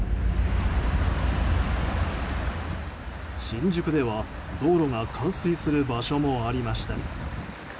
新宿では、道路が冠水する場所もありました。